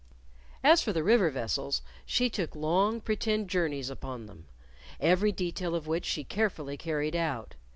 As for the river vessels, she took long pretend journeys upon them every detail of which she carefully carried out.